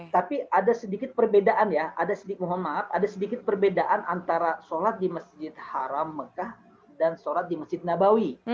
tapi ada sedikit perbedaan ya ada sedikit perbedaan antara sholat di masjidil haram mekah dan sholat di masjid nabawi